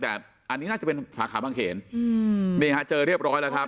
แต่อันนี้น่าจะเป็นสาขาบางเขนอืมนี่ฮะเจอเรียบร้อยแล้วครับ